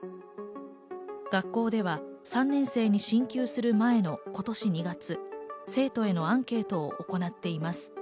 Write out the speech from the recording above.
学校では３年生に進級する前の今年２月、生徒へのアンケートを行っています。